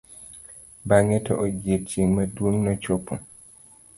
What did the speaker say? bange to odiochieng' maduong nochopo